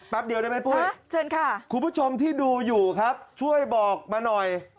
เดียวได้ไหมปุ้ยเชิญค่ะคุณผู้ชมที่ดูอยู่ครับช่วยบอกมาหน่อย